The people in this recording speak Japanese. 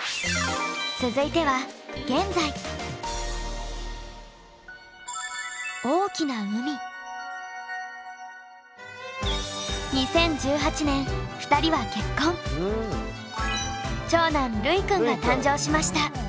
続いては長男ルイくんが誕生しました。